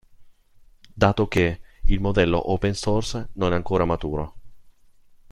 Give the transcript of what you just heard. Dato che il modello open source non è ancora maturo.